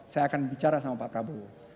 saya akan bicara sama pak prabowo